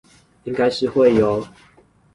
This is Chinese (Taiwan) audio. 應該是會呦